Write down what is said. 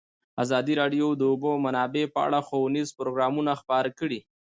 ازادي راډیو د د اوبو منابع په اړه ښوونیز پروګرامونه خپاره کړي.